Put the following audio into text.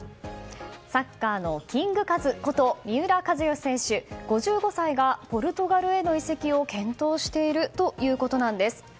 サッカーのキングカズこと三浦知良選手、５５歳がポルトガルへの移籍を検討しているということなんです。